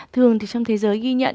thường trong thế giới ghi nhận